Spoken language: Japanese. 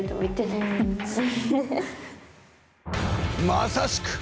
まさしく！